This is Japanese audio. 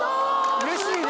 うれしいね。